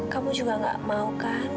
kamu juga gak mau kan